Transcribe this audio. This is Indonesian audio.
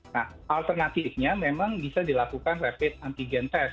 nah alternatifnya memang bisa dilakukan rapid antigen test